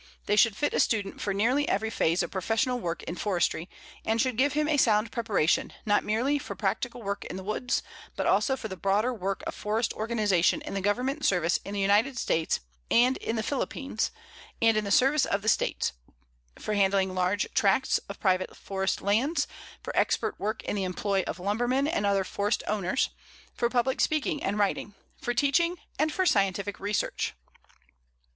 They should fit a student for nearly every phase of professional work in forestry, and should give him a sound preparation not merely for practical work in the woods, but also for the broader work of forest organization in the Government Service in the United States and in the Philippines, and in the service of the States; for handling large tracts of private forest lands; for expert work in the employ of lumbermen and other forest owners; for public speaking and writing; for teaching; and for scientific research.